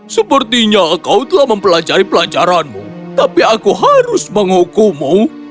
sepertinya kau telah mempelajari pelajaranmu tapi aku harus menghukummu